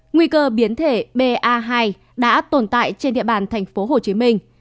nguy cơ biến thể ba đã tồn tại trên địa bàn thành phố hồ chí minh